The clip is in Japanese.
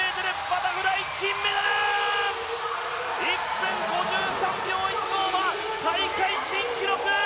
１分５３秒１５は大会新記録！